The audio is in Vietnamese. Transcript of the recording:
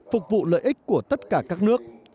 phục vụ lợi ích của tất cả các nước